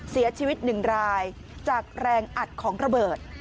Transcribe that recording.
เสียชีวิต๑รายจากแรงอัดของระเบิด